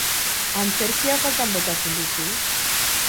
Antzerkia faltan botatzen duzu?